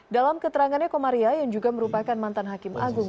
dalam keterangannya komaria yang juga merupakan mantan hakim agung